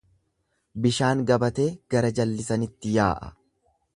Bishaan gabatee gara jaallisanitti yaa'a.